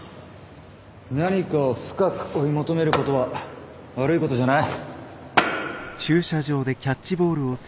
何かを深く追い求めることは悪いことじゃない。